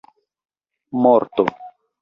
morto